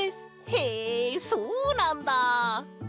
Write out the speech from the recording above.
へえそうなんだ！